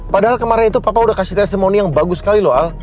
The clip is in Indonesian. padahal kemarin itu papa udah kasih testimoni yang bagus sekali loh al